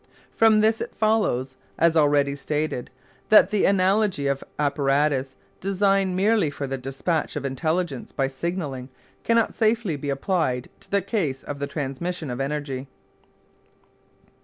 From this it follows, as already stated, that the analogy of apparatus designed merely for the despatch of intelligence by signalling cannot safely be applied to the case of the transmission of energy.